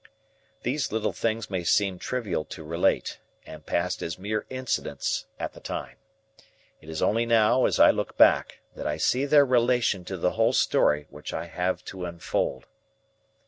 These little things may seem trivial to relate, and passed as mere incidents at the time. It is only now, as I look back, that I see their relation to the whole story which I have to unfold.